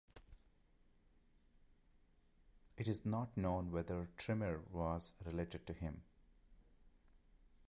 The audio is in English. It is not known whether Trpimir was related to him.